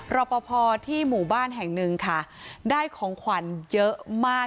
รอปภที่หมู่บ้านแห่งหนึ่งค่ะได้ของขวัญเยอะมาก